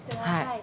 はい。